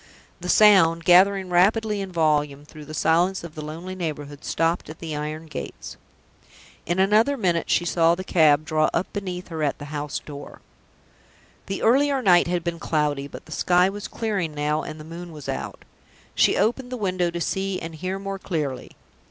The sound, gathering rapidly in volume through the silence of the lonely neighborhood, stopped at the iron gates. In another minute she saw the cab draw up beneath her, at the house door. The earlier night had been cloudy, but the sky was clearing now and the moon was out. She opened the window to see and hear more clearly.